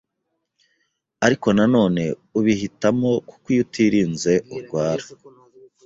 ariko nanone ubihitamo kuko iyo utirinze urwara,